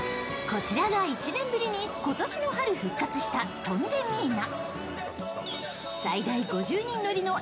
こちらが１年ぶりに今年の春、復活したトンデミーナ。